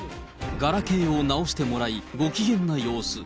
ガラケーを直してもらい、ご機嫌な様子。